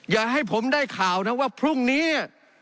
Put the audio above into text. อย่าให้ผมได้ข่าวนะว่าพรุ่งนี้